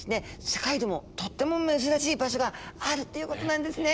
世界でもとっても珍しい場所があるっていうことなんですね。